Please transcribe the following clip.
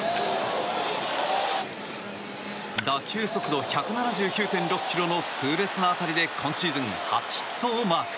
打球速度１７９．６キロの痛烈な当たりで今シーズン初ヒットをマーク。